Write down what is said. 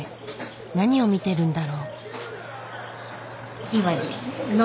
何を見てるんだろう。